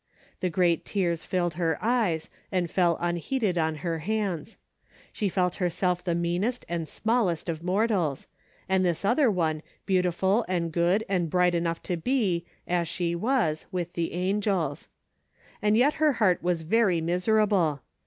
The great tears filled her eyes and fell unheeded on her hands. She felt her self the meanest and smallest of mortals, and this other one beautiful and good and bright enough to be, as she was, with the angels. And yet her heart was very miserable.